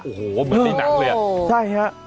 โอ้โหเหมือนที่หนังเลยอะใช่เลยครับ